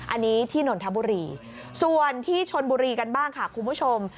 อันนี้ที่นนทบุรีส่วนที่ชนบุรีกันบ้างค่ะคุณผู้ชม